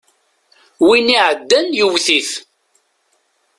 Win iɛeddan yewwet-it.